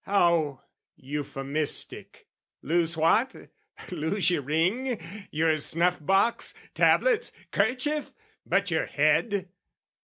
How euphemistic! Lose what? Lose your ring, Your snuff box, tablets, kerchief! but, your head?